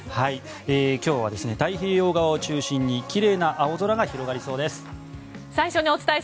今日は太平洋側を中心に奇麗な青空が広がりそうです。